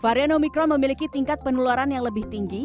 varian omikron memiliki tingkat penularan yang lebih tinggi